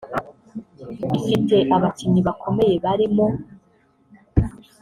ifite abakinnyi bakomeye barimo